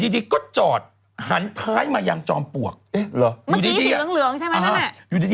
ตกใจหมดเลย